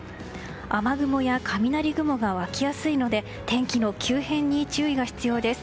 雨雲や雷雲が湧きやすいので天気の急変に注意が必要です。